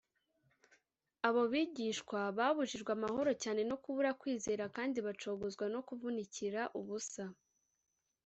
abo bigishwa babujijwe amahoro cyane no kubura kwizera kandi bacogozwa no kuvunikira ubusa